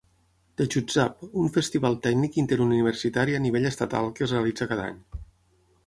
Techutsav, un festival tècnic interuniversitari a nivell estatal que es realitza cada any.